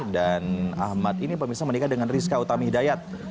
dan ahmad ini pemirsa menikah dengan rizka utami hidayat